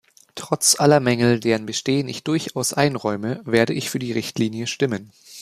Trotz aller Mängel, deren Bestehen ich durchaus einräume, werde ich für die Richtlinie stimmen.